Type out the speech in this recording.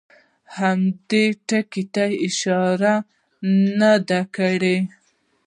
هم دې ټکي ته اشاره نه ده کړې.